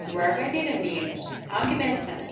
Where got ye the news?" "Hunky Ben sent me.